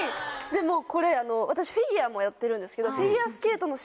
でもこれ私フィギュアもやってるんですけど。